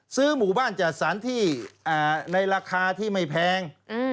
ซื้อหมู่บ้านจัดสรรที่ในราคาที่ไม่แพง